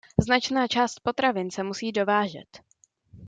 Značná část potravin se musí dovážet.